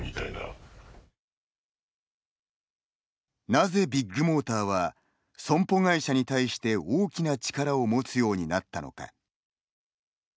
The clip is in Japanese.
なぜビッグモーターは損保会社に対して大きな力を持つようになったのか。